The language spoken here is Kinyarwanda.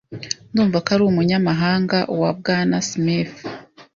Ndumva ko ari umunyamabanga wa Bwana Smith.